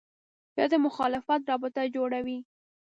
یا د مخالفت رابطه جوړوي